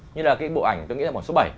như là cái bộ ảnh tôi nghĩ là bỏ số bảy